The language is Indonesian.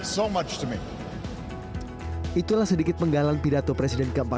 saya masih ingat panggilan pembela jalanan